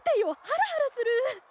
ハラハラする。